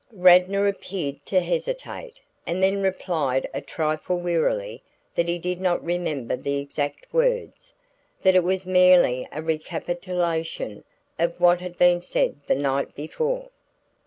Radnor appeared to hesitate and then replied a trifle wearily that he did not remember the exact words; that it was merely a recapitulation of what had been said the night before.